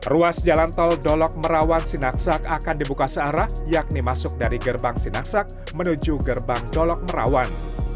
ruas jalan tol dolok merawan sinaksak akan dibuka searah yakni masuk dari gerbang sinaksak menuju gerbang dolok merawan